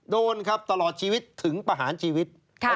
โดนครับตลอดชีวิตถึงประหารชีวิต